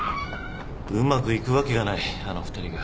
うまくいくわけがないあの二人が。